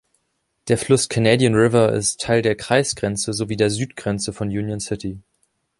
Der Fluss Canadian River ist Teil der Kreisgrenze sowie der Südgrenze von Union City.